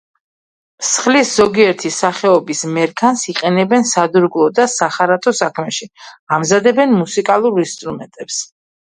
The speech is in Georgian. მსხლის ზოგიერთი სახეობის მერქანს იყენებენ სადურგლო და სახარატო საქმეში, ამზადებენ მუსიკალურ ინსტრუმენტებს.